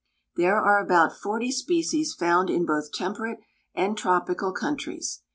There are about forty species found in both temperate and tropical countries.